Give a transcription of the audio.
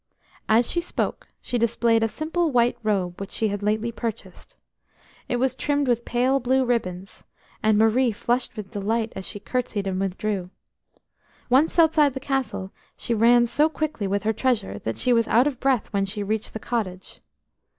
As she spoke she displayed a simple white robe which she had lately purchased. It was trimmed with pale blue ribbons, and Marie flushed with delight as she curtsied and withdrew. Once outside the Castle, she ran so quickly with her treasure that she was out of breath when she reached the cottage.